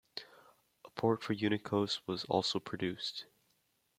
A port for Unicos was also produced.